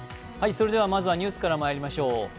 まずはニュースからまいりましょう。